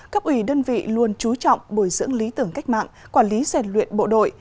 các ủy đơn vị luôn trú trọng bồi dưỡng lý tưởng cách mạng quản lý xe luyện bộ đội